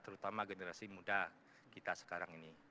terutama generasi muda kita sekarang ini